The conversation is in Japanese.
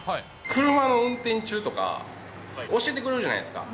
車の運転中とか、教えてくれるじゃないですか。